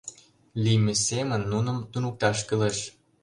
Лийме семын нуным туныкташ кӱлеш...